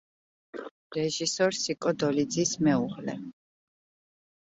რეჟისორ სიკო დოლიძის მეუღლე.